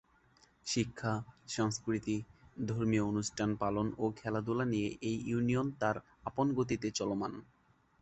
শিক্ষা, সংস্কৃতি, ধর্মীয় অনুষ্ঠান পালন ও খেলাধুলা নিয়ে এ ইউনিয়ন তার আপন গতিতে চলমান।